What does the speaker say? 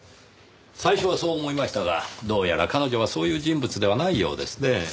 最初はそう思いましたがどうやら彼女はそういう人物ではないようですねぇ。